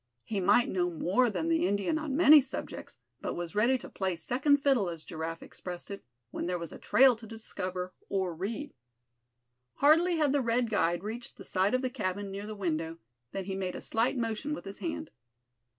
He might know more than the Indian on many subjects, but was ready to "play second fiddle" as Giraffe expressed it, when there was a trail to discover, or read. Hardly had the red guide reached the side of the cabin near the window, than he made a slight motion with his hand.